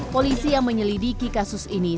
polisi yang menyelidiki kasus ini